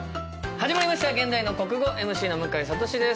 始まりました「現代の国語」ＭＣの向井慧です。